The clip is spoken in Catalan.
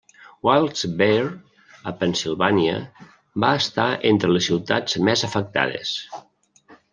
Wilkes-Barre, a Pennsilvània, va estar entre les ciutats més afectades.